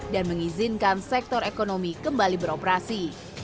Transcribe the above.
dan mengizinkan sektor ekonomi kembali beroperasi